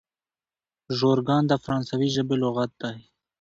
ژورګان د فرانسوي ژبي لغات دئ.